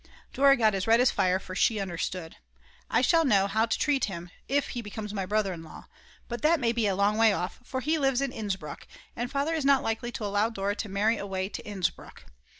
Dora got as red as fire, for she understood. I shall know how to treat him if he becomes my brother in law. But that may be a long way off; for he lives in Innsbruck, and Father is not likely to allow Dora to marry away to Innsbruck.